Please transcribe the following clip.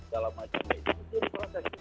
ya bahwa dia menyuap apa segala macam